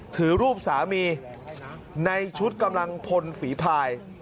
ถือรูปสามีในชุดกำลังพลฝีพาย